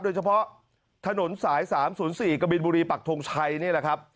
โดยเฉพาะถนนสาย๓๐๔กบินบุรีปักทงชัยนี่แหละครับ